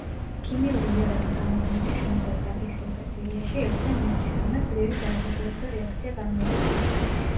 ქიმიური იარაღის გამოყენების შემთხვევა დაფიქსირდა სირიაში ერთზე მეტჯერ, რამაც ძლიერი საერთაშორისო რეაქცია გამოიწვია.